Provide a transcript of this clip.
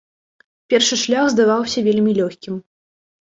Першы шлях здаваўся вельмі лёгкім.